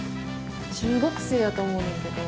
中学生やと思うねんけど。